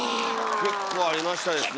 結構ありましたですね。